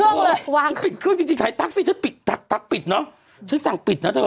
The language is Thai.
ฉันปิดเครื่องจริงจริงถ่ายตั๊กสิฉันปิดตักตั๊กปิดเนอะฉันสั่งปิดนะเธอ